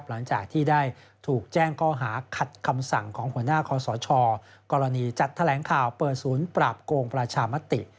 หลังจากที่ได้ถูกแจ้งข้อหาขัดคำสั่งของหัวหน้าคอสชกรณีจัดแถลงข่าวเปิดศูนย์ปราบโกงประชามติ